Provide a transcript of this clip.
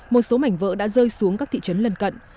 một số mảnh vỡ đã rơi xuống các thị trấn lân cận